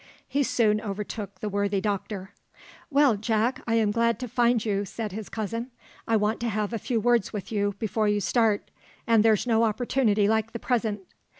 He soon overtook the worthy doctor. "Well, Jack, I am glad to find you," said his cousin: "I want to have a few words with you before you start, and there's no opportunity like the present.